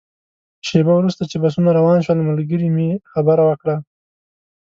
شېبه وروسته چې بسونه روان شول، ملګري مې خبره وکړه.